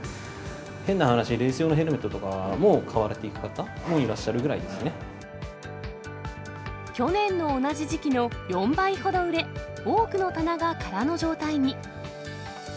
変な話、レース用のヘルメットとかも買われていく方もいらっしゃるぐらい去年の同じ時期の４倍ほど売れ、多くの棚が空の状態に。